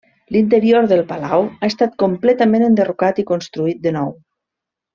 L'interior del palau ha estat completament enderrocat i construït de nou.